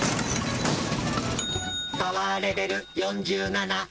「パワーレベル４７」。